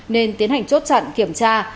nên tiến hành chốt chặn kiểm tra